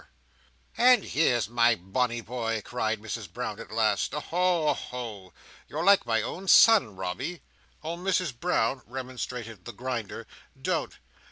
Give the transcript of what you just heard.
"And here's my bonny boy," cried Mrs Brown, "at last!—oho, oho! You're like my own son, Robby!" "Oh! Misses Brown!" remonstrated the Grinder. "Don't!